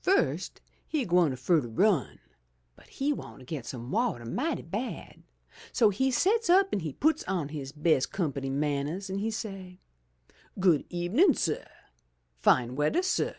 "Fust he gwine fur ter run, but he want to get some wateh mighty bad, so he sets up an' he puts on his best company man nehs an' he say, *Good ebenin', suh! Fine weatheh, suh!'